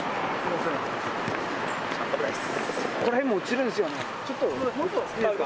この辺も写るんですよね。